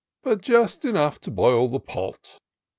But just enough to boil the pot.